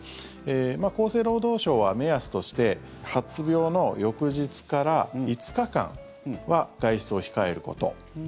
厚生労働省は目安として発病の翌日から５日間は外出を控えること。